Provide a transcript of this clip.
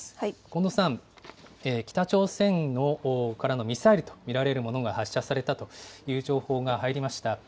こんどうさん、北朝鮮からのミサイルと見られるものが発射されたという情報が入りました。